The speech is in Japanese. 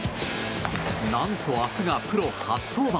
何と、明日がプロ初登板。